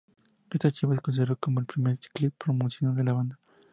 Este archivo es considerado como el primer clip promocional de la banda.